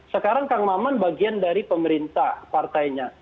sekarang kang maman bagian dari pemerintah partainya